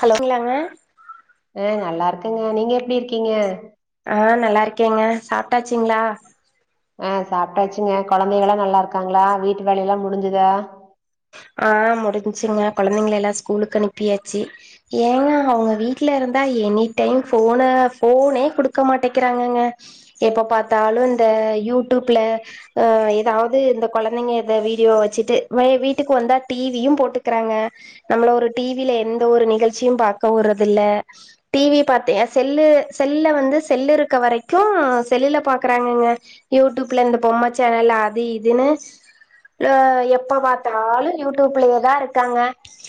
hello சொல்லுங்க ஆ நல்லா இருக்கங்க நீங்க எப்டி இருக்கீங்க ஆ நல்லா இருக்கேங்க சாப்டாச்சுங்களா ஆ சாப்டாச்சுங்க கொழந்தைகல்லா நல்லா இருக்காங்களா வீட்டு வேல எல்லா முடிஞ்சுதா ஆ முடிஞ்சுங்க கொழந்தைங்க எல்லா ஸ்கூலுக்கு அனுப்பியாச்சு ஏங்க அவுங்க வீட்ல இருந்தா எனி டைம் ஃபோனு ஃபோனே குடுக்க மாட்டேக்கிறாங்கங்க எப்போ பாத்தாலு இந்த யூடுப்ல அ எதாவது இந்த கொழந்தைங்க இந்த வீடியோ வச்சுட்டு வீட் ட்டுக்கு வந்தா டிவியு போட்டுக்குறாங்க நம்மள ஒரு டிவில எந்த ஒரு நிகழ்ச்சியு பாக்க உட்றது இல்ல டிவி பாத்தே செல்லு செல்ல வந்து செல்லு இருக்க வரைக்கு செல்லுல பாக்குறாங்கங்க யூடியூப்ல இந்த பொம்ம சேனல் அது இதுன்னு அ எப்ப பா த்தாலு யூடியூப்லேயேதா இருக்காங்க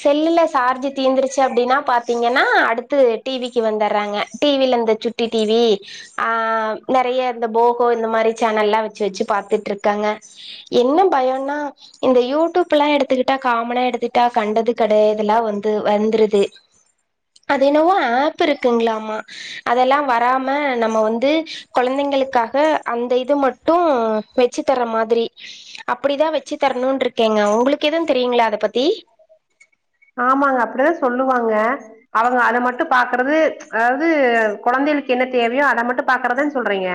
செல்லுல சார்ஜ் தீந்துருச்சு அப்டின்னா பாத்தீங்கன்னா அடுத்து டிவிக்கு வந்தறாங்க டிவில இந்த சுட் ட்டி டிவி அ நெறைய இந்த போகோ இந்த மாரி சேனல்ல எல்லா வச்சு வச்சு பாத்துட்டுருக்காங்க என்ன பயோனா இந்த யூடியூப் ல்லா எடுத்துக்கிட்டா காமனா எடுத்துக்கிட்டா கண்டது கடையதுல்லா வந்து வந்துருது அது என்னவோ ஆப் இருக்குங்களாமா அதெல்லா வராம நம்ம வந்து கொழந்தைங்களுக்காக அந்த இது மட்டு வெச்சி தர மாதிரி அப்டிதா வச்சி தரணுனு இருக்கேங்க உங்களுக்கு எதுவு தெரியுங்களா அத பத்தி ஆமாங்க அப்டிதா சொல்லுவாங்க அவுங்க அத மட்டு பாக்குறது அதாவது கொழந்தைகளுக்கு என்ன தேவையோ அத மட்டு பாக்குறதான சொல்றீங்க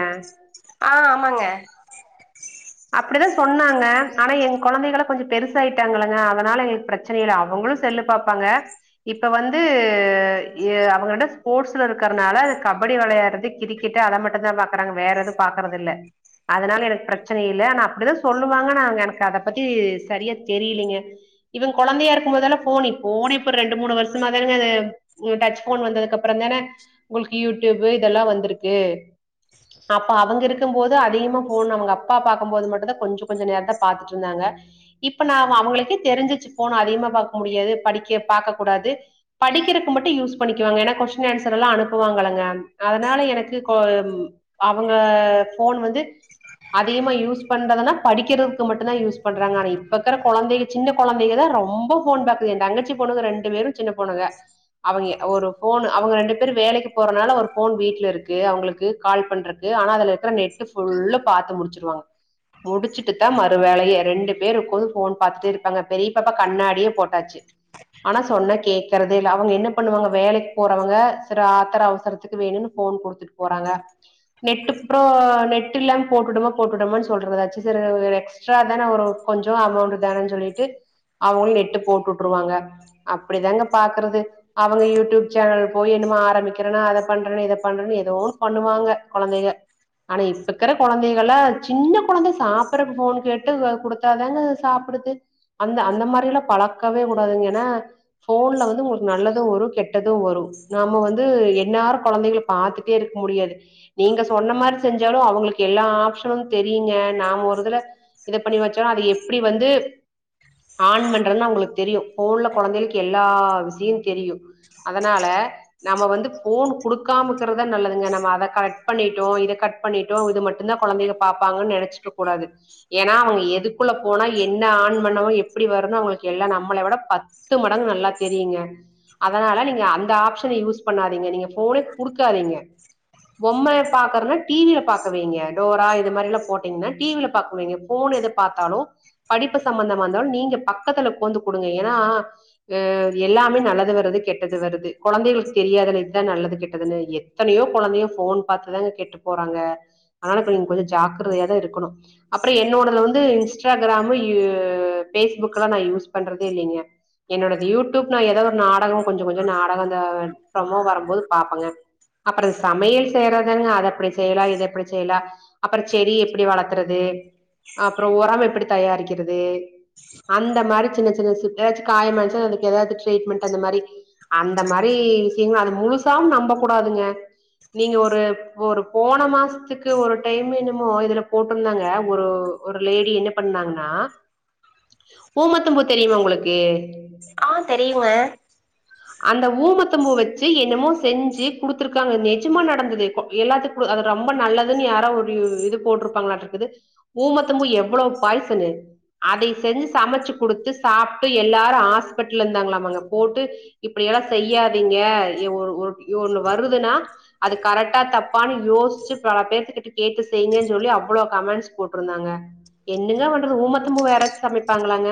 ஆ ஆமாங்க அப்டிதா சொன்னாங்க ஆனா எங்க கொழந்தைகள கொஞ்சோ பெருசாயிட்டாங்கங்க அதனால எங்க பிரச்ச ச்சனை இல்ல அவங்களு செல்லு பாப்பாங்க இப்ப வந்து எ அவங்கிட்ட ஸ்போர்ட்ஸ்ல இருக்கறனால கபடி விளையாடுறது கிரி க்கட் அத மட்டுந்தா பாக்குறாங்க வேற எது பாக்கறது இல்ல அதனால எனக்கு பிரச் ச்சனை இல்ல ஆனா அப்டிதா சொல்லுவாங் ஆனா நாங்க எனக்கு அத பத்தி சரியா தெரியலீங்க இவன் குழந்தையா இருக்கும் போதெல்லா ஃபோனு ஃபோனே இப்ப ரெண்டு மூணு வருஷமாதாங்க அது உ டச் போன் வந்ததுக்கு அப்புறந்தானே உங்களுக்கு யூடியூப் இதெல்லா வந்திருக்கு அப்ப அவுங்க இருக்கும் போது அதிகமா ஃபோனு அவுங்க அ அப்பா பாக்கும்போது மட்டுந்தா கொஞ்ச கொஞ்ச நேரந்தா பாத்துட்டு இருந்தாங்க இப்ப நா அது அவுங்களுக்கே தெரிஞ்சிச்சு ஃபோனு அதிகமா பாக்க முடியாது படிக்க பாக்கக் கூடாது படிக்கறக்கு மட்டும் யூஸ் பண்ணிக்குவாங்க ஏன்னா கொஸ்டின் ஆன்சர் எல்லா அனுப்புவாங்களங்க அதனால எனக்கு கொ அவுங்க ஃபோன் வந்து அதிகமா யூஸ் பண்றதுனா படிக்கிறதுக்கு மட்டுந்தான யூஸ் பண்றாங்க ஆனா இப்ப இர்க்கிற குழந்தைக சின்ன குழந்தைங்க தா ரொம்ப ஃபோன் பாக்குது என் தங்கச்சி பொண்ணுங்க ரெண்டு பேரும் சின்ன பொண்ணுங்கதா அவுங்க ஒரு ஃபோனு அவுங்க ரெண்டு பேர் வேலைக்கு போறனால ஒரு ஃபோன் வீட்ல இருக்கு அவுங்களுக்கு கால் பண்றக்கு இல்ல ஆனா அதுல இருக்கிற நெட்டு ஃபுல்லா பாத்து முடிச்சுருவாங்க முடிச்சுட்டு தா மறு வேலையே ரெண்டு பேர் இருக்குன்னு போன் பார்த்துட்டே இருப்பாங்க பெரியப்பாப்பா கண்ணாடியே போட்டாச்சு ஆனா சொன்னா கேக்குறதே இல்ல அவுங்க என்ன பண்ணுவாங்க வேலைக்கு போறவங்க செரி ஆத்திர அவசரத்துக்கு வேணுன்னு ஃபோன் குடுத்துட்டு போறாங்க நெட்டு அப்ரோ நெட் இல்லாம போட்டுடுமா போட்டுடுமான் சொல்றதாச்சி செரி ஒரு எக்ஸ்ட்ரா தான ஒரு கொஞ்சோ அமௌண்ட் தானன் சொல்லிட்டு அவுங்களு நெட்டு போட்டுட்ருவாங்க அப்டிதாங்க பாக்கறது அவங்க யூடியூப் சேனல் போய் என்னமோ ஆரம்பிக்கிறனு அத பண்றனு இத பண்றனு ஏதோ ஒன் பண்ணுவாங்க கொழந்தைங்க ஆனா இப்பக்கிற கொழந்தைகள சின்ன கொழந்த சாப்பட ஃபோன் கேட்டு குடுத்தாதாங்க சாப்புடுது அந்த அந்த மாறி எல்லா பழக்கவே வுடாதுங்க ஏனா ஃபோன்ல வந்து ஒரு நல்லது வரு கெட்டது வரு நாம வந்து என்னேர கொழந்தைகள பாத்துக் டே இருக் முடியாது நீங்க சொன்ன மாறி செஞ்சாலு அவுங்களுக் எல்லா ஆப்ஷனுதெரியுங்க நாம ஒரு இதுல இத பண்ணி வச்சோனா அது எப்டி வந்து ஆன் பண்றதுனா அவுங்களுக் தெரியு ஃபோன்ல கொழந்தைகளுக்கு எல்லா விஷிய தெரியு அதனால நாம வந்து ஃபோன் குடுக்காமக்கறதுதா நல்லதுங்க நம்ம அத கரெக்ட் பண்ணிட்டோ இத கட் பண்ணிட்டோ இது மட் சின்ன கொழந்தைங்க பாப்பாங்கன் நெனச்சிக்க கூடாது ஏனா அவுங்க எதுக்குள்ள போனா என்ன ஆன் பண்ணணு எப்டி வரனு அவுங்களுக்கு எல்லா நம்மளைய விட பத் து மடங்கு நல்லா தெரியுங்க அதனால நீங்க அந்த ஆப்ஷன யூஸ் பண்ணாதீங்க நீங்க ஃபோனே குடுக்காதீங்க பொம்மைய பாக்கறனா டி வில பாக்க வைங்க டோரா இது மாரிலா போட்டீங்கனா டிவில பாக்க வைங்க ஃபோன் எது பாத்தாலு படிப்பு சம்மந்தமாந்தாலு நீங்க பக்கத்துல கோந்து குடுங்க ஏனா அ எல்லாமே நல்லது வருது கெட்டது வருது கொழந்தைகளுக் தெரியாதில இதா நல்லது கெட்டதுனு இது எத் தனையோ கொழந்தைங்க ஃபோன் பாத்துதாங்க கெட்டு போறாங்க அதனால இப்போ நீங் கொஞ்ச ஜாக்ரதையா தா இருக்கணு அப்ற என்னோடதுல வந்து இன்ஸ்டாகிராமு யோ பேஸ்புக்லா நா யூஸ் பண்றதே இல்லைங்க என்னோடது யூடியூப்ல ஏதா ஒரு நாடக கொஞ்ச கொஞ்ச நாடக இந்த ப்ரமோ வரபோது பாப்பங்க அப்பற சமையல் செய்யறதுனா அத அப்டி செய்யலா இது இப்டி செய்லா அப்ற செடி எப்டி வளத்தறது அப்புறோ ஒரம் எப்டி தயாரிக்கிறது அந்த மாரி சின்ன சின்ன சிட்ரேசி காயமாச்சி அதுக்கு ஏதாவது ட்ரீட்மெண்ட் அந்த மாறி அந்த மாரி விஷியங்கள் அது முழுசாவு நம்ப கூடாதுங்க நீங்க ஒரு ஒரு போன மாசத்துக் து ஒரு டைம் என்னமோ இதுல போட்டுருந்தாங்க ஒரு ஒரு லேடி என்ன பண்ணாங்னா ஊமத்தம்பூ தெரியுமா உங்களுக்கு ஆ தெரியுங்க அந்த ஊமத்தம்பு வச்சி என்னமோ செஞ்சி குடுத்துருக்காங்க நெஜமா நடந்தது எல்லாத்துக்கு அது ரொம்ப நல்லதுன் யாரா ஒரு இது போட்ருபாங்களாட்ருக்குது ஊமத்தம்பூ எவ்ளோ பாய்சனு அதைய செஞ்சி சமைச்சி குடுத்து சாப்ட்டு எல்லாரு ஹாஸ்பிட்டல்ல இருந்தாங்களாமாங்க போட்டு இப்டியெல்லா செய்யாதீங்க எ ஒரு ஒரு ஒரு ஒண்ணு வருதுனா அது கரெக்டா தப்பானு யோஸ்ச்சி பல பேத்துகிட்ட கேட்டு செய்ங்கன் சொல்லி அவ்ளோ கமெண்ஸ் போட்ருந்தாங்க என்னங்க பண்றது ஊமத்தம்பூவ யாராச்சு சமைப்பாங்களாங்க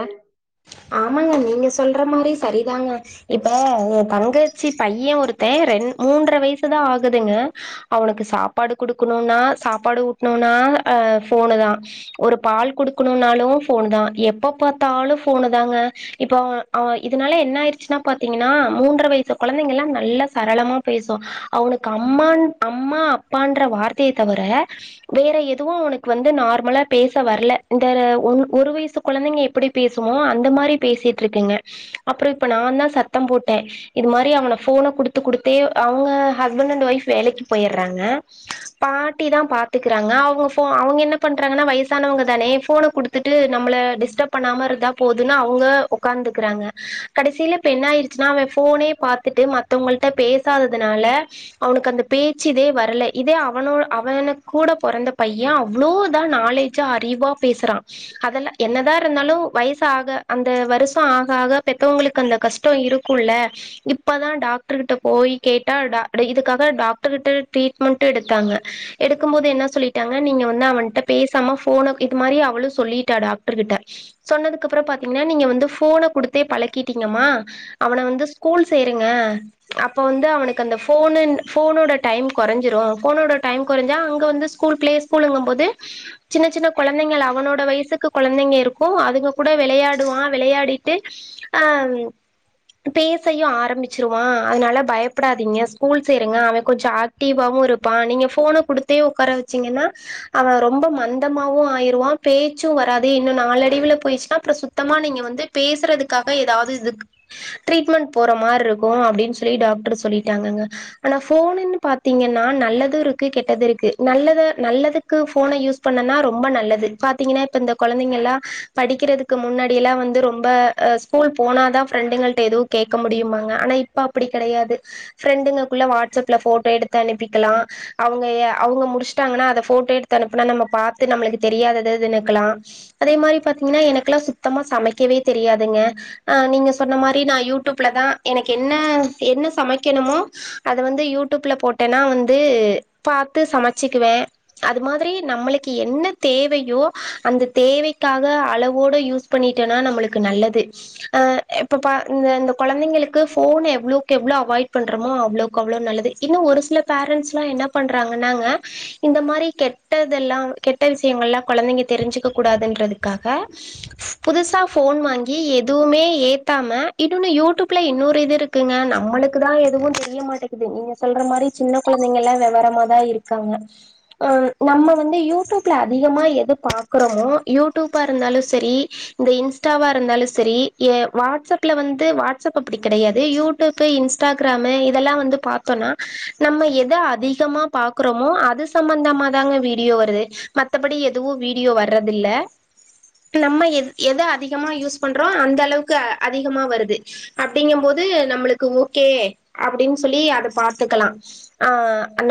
ஆமாங்க நீங்க சொல்ற மாரி சரிதாங்க இப்ப எ தங்கச்சி பைய ஒருத்தே ரெண் மூன்ற வயசுதா ஆகுதுங்க அவனுக்கு சாப்பாடு குடுக்கணுனா சாப்பாடு ஊட்ணுனா ஆ ஃபோனு தா ஒரு பால் குடுக்கணுனாலு ஃபோனு தா எப்ப பாத்தாலு ஃபோனு தாங்க இப்போ அவ அவ இதுனால என்ன ஆயிருச்சினா பாத்தீங்கனா மூன்ற வயசு கொழந்தைங்கலா நல்லா சரளமா பேசுவோ அவுனுக்கு அம்மான் அம்மா அப்பான்ற வார்த்தைய தவர வேற எதுவு அவனுக்கு வந்து நார்மலா பேச வரல இந்த ஒன் ஒரு வயசு கொழந்தைங்க எப்டி பேஸ் சுமோ அந்த மாரி பேசிட்ருக்குங்க அப்றோ இப்ப நாந்தா சத்த போட்டே இது மாரி அவன ஃபோன குடுத்து குடுத்தே அவுங்க ஹஸ்பண்ட் அண்ட் ஒய்ஃப் வேலைக்கு போய்றாங்க பாட்டி தா பாத்துக்றாங்க அவுங்க ஃபோ அவுங்க என்ன பண்றாங்கனா வயசானவங்க தானே ஃபோன குடுத் துட்டு நம்பள டிஸ்டப் பண்ணாம இருந்தா போதுனு அவுங்க உக்காந்துக்றாங்க கடைசில இப்ப என்ன ஆயிறுசினா அவ ஃபோனே பாத்துட்டு மத் த்தோங்கள்ட பேசாததுனால அவுனுக்கு அந்த பேச் இதே வரல இதே அவனோ அவனுக் கூட பொறந்த பைய அவ்ளோதா நாலே ஜா அறிவா பேசறா அதெல்ல என்னதா இருந்தாலு சாக அந்த வருஷோ ஆக ஆக பெத்தவங்களுக்கு அந்த கஷ்டோ இருக்குல்ல இப் அப்பதா டாக்ட்ர் கிட்ட போய் கேட்டா டாக் இதுக்காக டாக்டர்ட்ட ட்ரீட்மெண்ட் எடுத்தாங்க எடுக்கு போது என்னா சொல்லிட் டாங்க நீங்க வந்து அவன்ட பேசாம ஃபோன இது மாரி அவளு சொல்லிட்டா டாக்டர் கிட்ட சொன்னதுக்கப்றோ பாத்தீங்னா நீங்க வந்து ஃபோன குடுத்தே பழக்கிட்டீங்கம்மா அவன வந்து ஸ்கூல் சேருங்க அப்ப வந்து அவனுக்கு அந்த ஃபோனுன் ஃபோனோட டைம் கொறஞ்சிரு ஃபோனோட டைம் கொறஞ்சா அங்க வந்து ஸ்கூல் ப்ளே ஸ்கூல்ங்குபோது சின்ன சின்ன கொழந்தைங்கள அவனோட வயசுக்கு கொழந்தைங்க இருக் கு அதுங்க கூட வெளையாடுவா வெளையாடிட்டு ஆ ம் பேசையு ஆரம்பிச்சிருவா அதனால பயப்டாதீங்க ஸ்கூல் சேருங்க அவ கொஞ்சோ ஆக் டிவாவு இருப்பா நீங்க ஃபோன குடுத்தே உக்கார வச்சீங்கன்னா அவ ரொம்ப மந்தமாவு ஆயிருவா பேச்சு வராது இன்னு நாலே டீவில போய்ருச்னா அப்ற சுத்தமா நீங்க வந்து பேசுறதுக்காக ஏதாவது இதுக் ட்ரீட்மெண்ட் போற மாரி இருக்கு அப்டின் சொல்லி டாக்டர் சொல்லிட்டாங்கங்க ஆனா ஃபோனுன்னு பாத்திங்கன்னா நல்லது இருக்கு கெட்டது இருக்கு நல்லத நல்லது க்கு ஃபோன யூஸ் பண்ணனா ரொம்ப நல்லது பாத்தீங்கனா இப்ப இந்த கொழந்தைங்கல்லா படிக்கிறதுக்கு முன்னாடியெல்லா வந்து ரொம்ப அ ஸ்கூல் போனாதா ஃப்ரெண்டுங்கள்ட எதுவு கேக்க முடியுமாங்க ஆனா இப் ப அப்டி கெடையாது ஃப்ரெண்டுங்ககுள்ள வாட்ஸ்அப்ல ஃபோட்டோ எடுத்து அனுப்பிக்கலா அவுங்க எ அவுங்க முடிச்ட்டாங்கனா அத ஃபோட்டா எடுத்து அனுப்புனா நம்ப பாத்து நம்ளுக்கு தெரியாதது எதுனுக்கலா அதே மாரி பாத்திங்னா எனக்குலா சுத்தமா சமைக்கவே தெரியாதுங்க ஆ நீங்க சொன்ன மாரி நா யூடூப்ல தா எனக்கு என்ன என்ன சமைக்கணுமோ அத வந்து யூடூப்ல போட்டேனா வந்து பாத்து சமச்சிக்குவே அது மாதிரி நம்பளுக்கு என்ன தேவையோ அந்த தேவைக் க்காக அளவோட யூஸ் பண்ணிடனா நம்பளுக்கு நல்லது ஆ இப்ப பா இந்த இந்த கொழந்தைங்களுக்கு ஃபோன் எவ்ளோக் எவ்ளோ அவாய்ட் பண்றமோ அவ்ளோக் அவ்ளோ நல்லது இன்னு ஒரு சில பேரண்ஸ்லா என்ன பண்றாங்கன்னாங்க இந்த மாரி கெட்டதெல்லாங் கெட்ட விஷியங்கல்லா கொழந்தைங்க தெரிஞ்சிக்க கூடாதுன்றதுக்காக புதுசா ஃபோன் வாங்கி எதுவுமே ஏத்தாம இன்னொனு யூடூப்ல இன்னொரு இது இருக் குங்க நம்மளுக்கு தா எதுவு தெரிய மாட்டேங்கிது நீங்க சொல்ற மாரி சின்ன கொழந்தைங்லா வெவரமா தா இருக்காங்க ஆ ம் நம்ம வந்து யூடூப்ல அதிகமா எத பாக்றோமோ யூட் டூபா இருந்தாலு செரி இந்த இன்ஸ்டாவா இருந்தாலு செரி எ வாட்ஸ்அப்ல வந்து வாட்ஸ்அப் அப்டி கெடையாது யூ இப்ப இன்ஸ்ட்ராமு இதெல்லா வந்து பாத்தோனா நம்ம எத அதிகமா பாக் குறோமோ அது சம்மந்தமாதாங்க வீடியோ வருது மத்தபடி எதுவும் வீடியோ வரதில்ல வர்றதில்ல்ல நம்ம எ எத அதிகமா யூஸ் பண்றோ அந்த அளவுக்கு அதிகமா வருது அப்டிங்க போது நம்புளுக்கு ஓகே அப்டின் சொல்லி அத பாத்தூக்கலா ஆ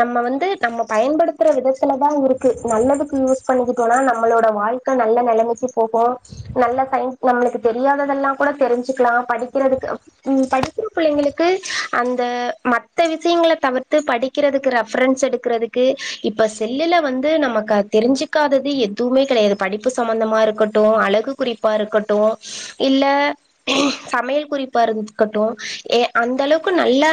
நம்ம வந்து நம் ம பயன்படுத்துற விதத்தல தா இருக்கு நல்லதுக்கு யூஸ் பண்ணிக்கிட்டோனா நம்மளோட வாழ்க்க நல்ல நெலமைக்கு போகு நல்ல சயின்ஸ் நம்முளுக்கு தெரியாததெல்லா கூட தெரிஞ்சுக்கலா படிக்கிறதுக்கு ம் படிக்கிற பிள்ளைங்களுக்கு அந்த மத்த விஷியங்கள தவிர்த்து படி க்கிறதுக்கு ரெஃப்ரன்ஸ் எடுக்குறது கு இப்ப செல்லுல வந்து நமக்க தெரிஞ்சுக்காதது எதுவுமே கெடையாது ப ப்பு சம்மந்தமா இருக்கட்டு அழகு குறிப்பா இருக்கட்டு இல்ல சமையல் குறிப்பா இருக்கட்டு ஏ அந்த அளவுக்கு நல்லா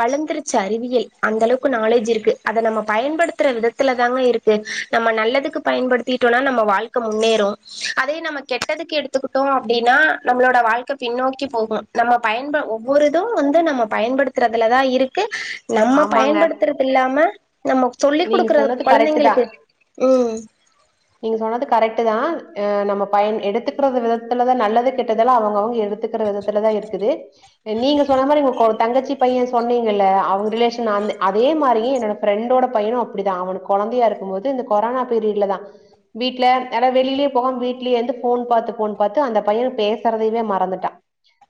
வளந்துருச்சி அறிவியல் அந்த ‌அளவுக்கு நாலேஜ் இருக்கு அத நம்ம பயன்படுத்துற விதத்துல தாங்க இருக்கு நம்ம நல்லதுக்கு பயன்படு திட்டோனா நம்ம வாழ்க்க முன்னேறு அதே நம்ம கெட்டதுக்கு எடுத்துக்குட்டோ அப்டின்னா நம்ளோட வாழ் து பின்னோக்கி போகு நம்ம பயன்ப ஒவ்வொருது வந்து நம்ம பயன்படுத்துறதுல தா இருக்கு நம்ம ஆமாங்க பயன்படுத்துறதில்லாம நம்ம சொல்லி் நீங்க குடுக்குறது சொன்னது கரெக்ட்டு தா கொழந்தைங்களுக்கு ம் நீங்க சொன்னது கரெக்ட்டுதா அ நம்ம பயன் எடுத்துக்குற விதத்துல தா நல்லது கெட்டதெல்லா அவுங்கவுங்க எடுத் துக்கற விதத்துல தா இருக்குது நீங்க சொன்ன மாரி உங்கக் ஒரு தங்கச்சி பைய சொன்னீங்கல்ல அவுங்க ரிலேஷன் அந் அதே மாரி என்னோட ஃப்ரெண்டோட பையனு அப்டிதா அவனுக் கொழந்தையா இருக்கு போது இந்த கொரானா பீரியட்ல ‌‌‌தா வீட்ல ஆனா வெளியிலியே போகாம வீ்ட்லயேந்து ஃபோன் பாத்து ஃபோன் பாத்து அந்த பைய பேசறதையவே மறந்துட்டா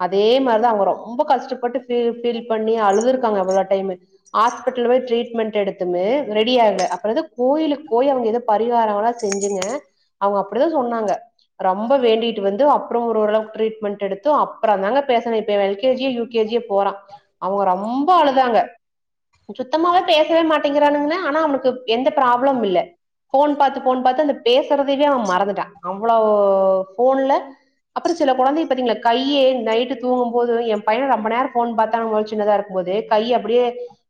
அதே மாரி தா அவுங்க ரொம்ப கஷ்டப்பட்டு ஃபீல் ஃபீல் பண்ணி அழுதுருக்காங்க அவ்ளோ டைமு ஹாஸ்பிட்டல போய் ட்ரீட்மெண்ட் எடுத்துமே ரெடி ஆகல அப்றதா கோயிலுக் போய் அங்க ஏதோ பரிகாரளா செஞ்சிங்க அவுங்க அப்டி தா சொன்னாங்க ரெம்ப வேண்டிட்டு வந்து அப்றோ ஒரு ஓரளவுக்கு ட்ரீட்மெண்ட் எடுத்து அப்ற தாங்க பேச வைப்ப எல் கே ஜி யூ கேஜியே போறா அவுங்க ரொம்ப அழுதாங்க சுத்தமாவே பேசவே மாட்டேங்கிறானுங்க ஆனா அவனுக்கு எந்த ப்ராப்ளம் இல்ல ஃபோன் பாத் ஃபோன் பாத்து அந்த பேசறதயவே அவ மறந்துட்டா அவ்ளோ ஃபோன்ல அப்றோ சில கொழந்தை பாத்தீங்களா கையி நைட்டு தூங்கும்போது எ பைய ரெம்ப நேரோ ஃபோன் பாத்தா அவுங்க சின்னதா இருக்கு போது கை அப்டியே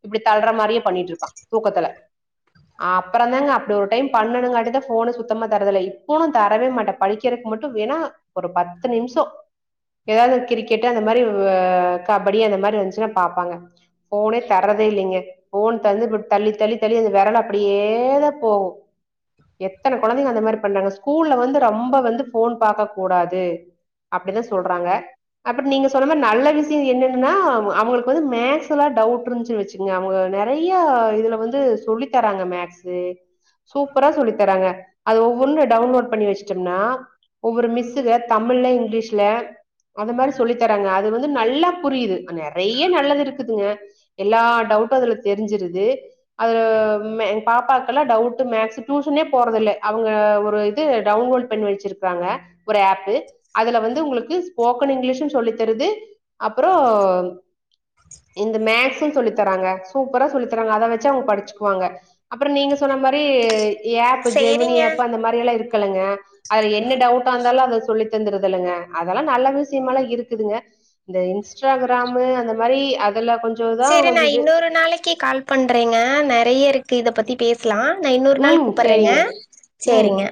இப்டி தள்ற மாரியே பண்ணிட்டுருப்பா தூக்கத்தல அப்ற தாங்க அப்டி ஒரு டைம் பண்ணனுங்க அடு தா ஃபோனு சுத்தமா தரதில இப்போவு நா தரவே மாட்ட படிக்கிறக்கு மட்டு வேணா ஒரு பத்து நிம்ஷோ ஏதாவது கிரிக்கெட்டு அந்த மாரி கபடி அந்த மாரி இருந்துச்னா பாப்பாங்க ஃபோனே தர்றதே இல்லிங்க ஃபோன் தள்ளி தள்ளி தள்ளி அந்த வெரலு அப்டியே தா போகு எத்தன கொழந்தைங்க அந்த மாரி பண்றாங்க ஸ்கூல்ல வந்து ரொம்ப வந்து ஃபோன் பாக்க கூடாது அப்டிதா சொல்றாங்க அப்ற நீங்க சொன்ன மாரி நல்ல விஷியோ என்னனா அவுங்களுக்கு வந்து மேக்ஸ்லா டவுட் இருந்துச்ன் வச்சு ங்க அவுங்க நெறையா இதுல வந்து சொல்லி தராங்க மேக்சு சூப்பரா சொல்லி தராங்க அது ஒவ்வொன்னு டவுன்லோட் பண்ணி வச்ட்டம்னா ஒவ்வொரு மிஸ்ஸுங்க தமிழ்ல இங்லீஷ்ல அந்த மாரி சொல்லி தராங்க அது வந்து நல்லா புரியிது நெறைய நல்லது இருக்குதுங்க எல்லா டவுட்டு அதுல தெரிஞ்சிருது அது எங் பாப்பாக்கெல்லா டவுட்டு மேக்ஸ் டூஷனே போறதில்லே அவுங்க ஒரு இது டவுன்லோட் பண்ணி வச்சிருக்றாங்க ஒரு ஆப்பு அதுல வந்து உங்குளுக்கு ஸ்போக்கன் இங்கிலீஷு சொல்லித் தருது அப்றோ இந்த மேக்ஸு சொல்லி தராங்க சூப்பரா சொல்லி தராங்க அத வச்சி அவுங்க படிச்சிக்வாங்க அப்றோ நீங்க சொன்ன மாரி ஆப் பு ஜெமினி சேரிங்க ஆப்பு அந்த மாரிலா இருக்குல்லங்க அதுல என்ன டவுட்டாந்தாலு அத சொல்லி தந்துறது இல்லங்க அதெல்லா நல்ல விஷியமாலா இருக்குதுங்க இந்த இன்ஸ்ட்றா கிராமு அந்த மாரி அதுல கொஞ் சரி நா இன்னொரு நாளைக்கு கால் பண்றேங்க நெறைய இருக்கு இத பத்தி பேச லா நா இன்னோறு நாள் ம் கூப்பறேங்க சேரிங்க சரிங்க ம்